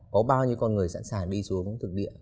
có bao nhiêu con người sẵn sàng đi xuống thực địa